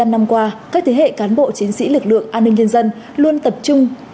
bảy mươi năm năm qua các thế hệ cán bộ chiến sĩ lực lượng an ninh nhân dân luôn tập trung